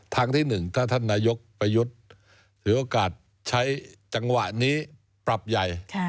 ทางที่หนึ่งถ้าท่านนายกไปยุดใช้โอกาสใช้จังหวะนี้ปรับใหญ่